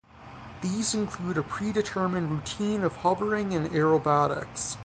These include a predetermined routine of hovering and aerobatics.